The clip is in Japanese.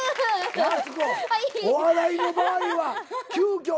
やす子お笑いの場合は急きょ